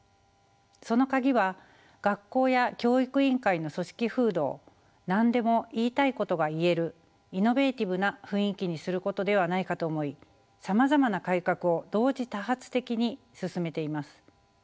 そのカギは学校や教育委員会の組織風土を何でも言いたいことが言えるイノベーティブな雰囲気にすることではないかと思いさまざまな改革を同時多発的に進めています。